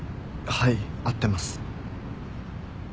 はい合ってます。